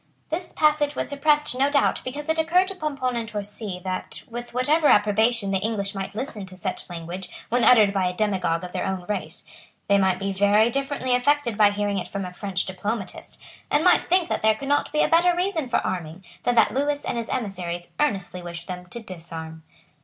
This passage was suppressed, no doubt, because it occurred to Pomponne and Torcy that, with whatever approbation the English might listen to such language when uttered by a demagogue of their own race, they might be very differently affected by hearing it from a French diplomatist, and might think that there could not be a better reason for arming, than that Lewis and his emissaries earnestly wished them to disarm.